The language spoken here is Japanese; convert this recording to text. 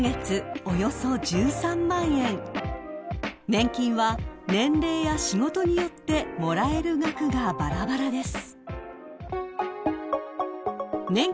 ［年金は年齢や仕事によってもらえる額がバラバラです］